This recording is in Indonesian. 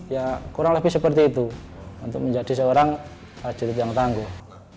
ya kurang lebih seperti itu untuk menjadi seorang prajurit yang tangguh